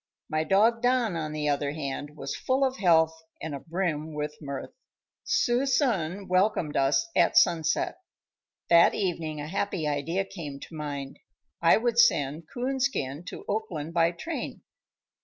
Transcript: My dog, Don, on the other hand, was full of health and abrim with mirth. Suisun welcomed us at sunset. That evening a happy idea came to mind; I would send Coonskin to Oakland by train.